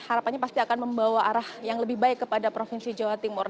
harapannya pasti akan membawa arah yang lebih baik kepada provinsi jawa timur